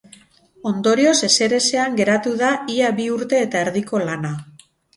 Ondorioz, ezerezean geratu da ia bi urte eta erdiko lana.